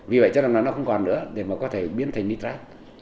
vì vậy chắc là nó không còn nữa để mà có thể biến thành nitrat